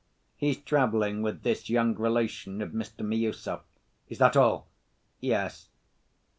He's traveling with this young relation of Mr. Miüsov." "Is that all?" "Yes."